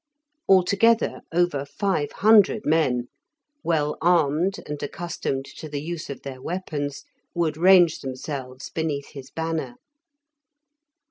Altogether over five hundred men, well armed and accustomed to the use of their weapons, would range themselves beneath his banner.